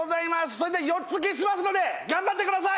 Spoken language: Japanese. それでは４つ消しますので頑張ってください